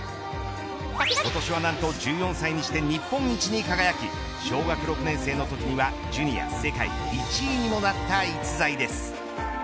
今年は何と１４歳にして日本一に輝き小学６年生のときはジュニア世界１位にもなった逸材です。